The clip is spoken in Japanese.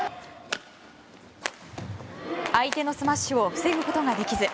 相手のスマッシュを防ぐことができず。